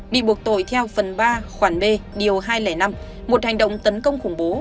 bị buộc tội theo phần ba khoản b điều hai trăm linh năm một hành động tấn công khủng bố